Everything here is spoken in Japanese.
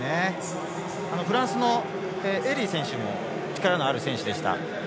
フランスのエリー選手も力のある選手。